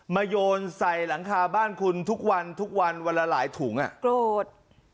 โยนใส่หลังคาบ้านคุณทุกวันทุกวันวันละหลายถุงอ่ะโกรธ